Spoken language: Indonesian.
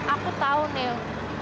aku tahu neo